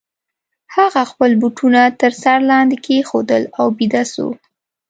هغه خپل بوټونه تر سر لاندي کښېښودل او بیده سو.